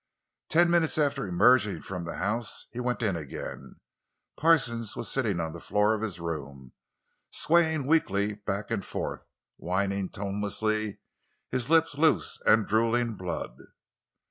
Ten minutes after emerging from the house he went in again. Parsons was sitting on the floor of his room, swaying weakly back and forth, whining tonelessly, his lips loose and drooling blood.